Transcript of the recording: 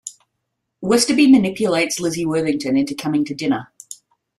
Westerby manipulates Lizzie Worthington into coming to dinner.